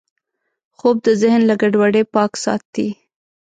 خوب د ذهن له ګډوډۍ پاک ساتي